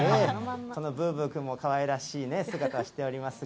このブーブーくんもかわいらしいね、姿しておりますが。